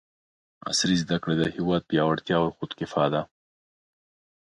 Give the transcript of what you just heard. عصري زده کړې د هېواد پیاوړتیا او خودکفاء ده!